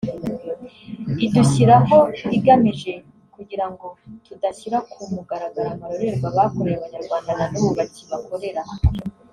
idushyiraho igamije kugirango tudashyira ku mugaragaro amarorerwa bakoreye abanyarwanda na n’ubu bakibakorera